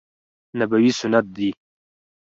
نبوي سنت دي.